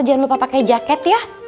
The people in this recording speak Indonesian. jangan lupa pakai jaket ya